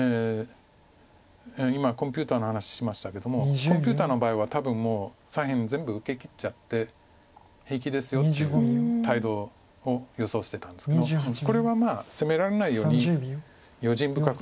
今コンピューターの話ししましたけどもコンピューターの場合は多分もう左辺全部受けきっちゃって平気ですよっていう態度を予想してたんですけどこれは攻められないように用心深く。